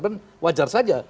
dan wajar saja